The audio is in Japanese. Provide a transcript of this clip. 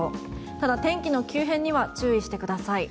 ただ、天気の急変には注意してください。